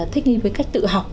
thích nghi với cách tự học